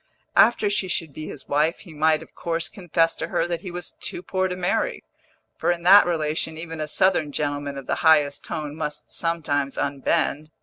After she should be his wife he might of course confess to her that he was too poor to marry, for in that relation even a Southern gentleman of the highest tone must sometimes unbend.